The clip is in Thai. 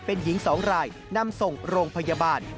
เป็นหญิง๒รายนำส่งโรงพยาบาล